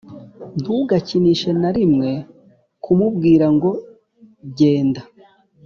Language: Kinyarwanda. ntugakinishe na rimwe kumubwira ngo genda